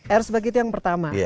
erzberg itu yang pertama